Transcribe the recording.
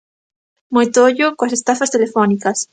Moito ollo coas estafas telefónicas.